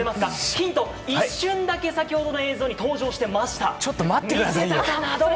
ヒント、一瞬だけ先ほどの映像にちょっと待ってくださいよ。